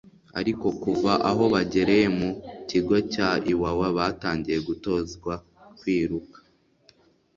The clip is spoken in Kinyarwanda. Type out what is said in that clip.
ariko kuva aho bagereye mu kigo cya Iwawa batangiye gutozwa kwiruka